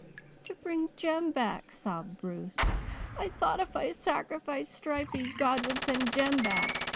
"'To bring Jem back,' sobbed Bruce. 'I thought if I sacrificed Stripey God would send Jem back.